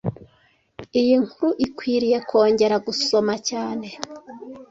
Iyi nkuru ikwiriye kongera gusoma cyane